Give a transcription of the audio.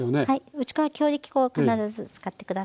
打ち粉は強力粉を必ず使って下さい。